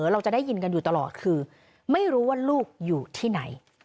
เราจะได้ยินกันอยู่ตลอดคือไม่รู้ว่าลูกอยู่ที่ไหน